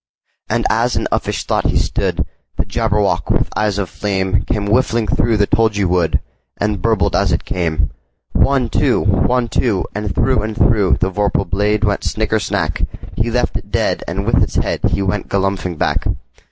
And as in uffish thought he stood, The Jabberwock, with eyes of flame, Came whiffling through the tulgey wood, And burbled as it came! One, two! One, two! And through and throughThe vorpal blade went snicker snack! He left it dead, and with its headHe went galumphing back.